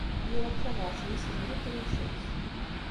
Yura-d tabṛat-nni s yimru n tricet.